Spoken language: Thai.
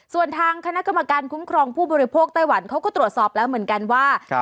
ส่วนทางคณะกรรมการคุ้มครองผู้บริโภคไต้หวันเขาก็ตรวจสอบแล้วเหมือนกันว่า